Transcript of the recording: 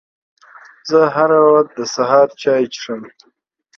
زه هره ورځ د سهار چای څښم